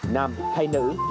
nam hay nữ